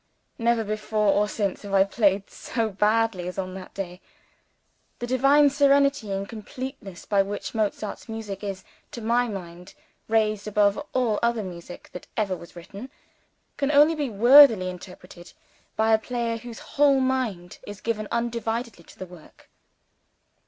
Never before, or since, have I played so badly, as on that day! The divine serenity and completeness by which Mozart's music is, to my mind, raised above all other music that ever was written, can only be worthily interpreted by a player whose whole mind is given undividedly to the work.